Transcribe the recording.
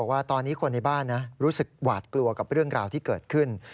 ว่าตอนนี้คนในบ้านนะรู้สึกหวาดกลัวกับเรื่องราวที่เกิดขึ้น